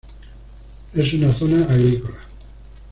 Es una zona agrícola.